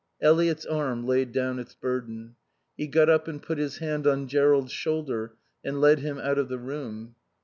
Eliot's arm laid down its burden. He got up and put his hand on Jerrold's shoulder and led him out of the room.